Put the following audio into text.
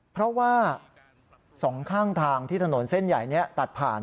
เพราะว่า๒ข้างทางที่ถนนเส้นใหญ่นี้ตัดผ่าน